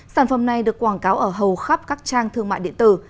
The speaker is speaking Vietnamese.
sản phẩm này được quảng cáo ở hầu khắp các trang thương mại điện tử